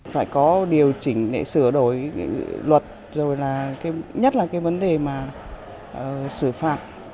phải có điều chỉnh để sửa đổi luật nhất là cái vấn đề mà sửa phạt